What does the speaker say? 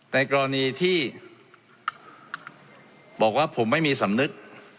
ในกรณีที่บอกว่าผมไม่มีสำนึก